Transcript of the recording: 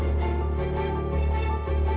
balik dari seluruh dunia